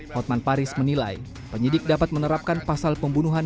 hotman paris menilai penyidik dapat menerapkan pasal pembunuhan